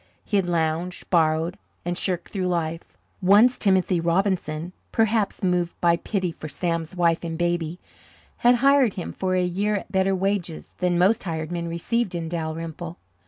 He had lounged, borrowed, and shirked through life. Once Timothy Robinson, perhaps moved by pity for Sam's wife and baby, had hired him for a year at better wages than most hired men received in Dalrymple.